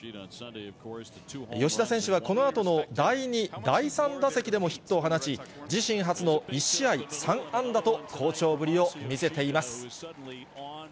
吉田選手はこのあとの第２、第３打席でもヒットを放ち、自身初の１試合３安打と、好調ぶりを見せています。